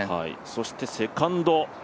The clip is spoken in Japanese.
そしてセカンド。